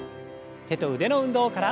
手と腕の運動から。